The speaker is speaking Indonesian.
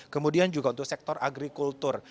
kemudian juga untuk sektor agrikultur